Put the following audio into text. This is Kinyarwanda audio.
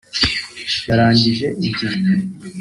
yarangije igihe